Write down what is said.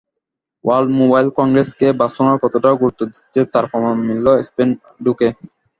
World mobile কংগ্রেসকে Barcelona কতটা গুরুত্ব দিচ্ছে, তার প্রমাণ মিলল স্পেনে ঢুকেই।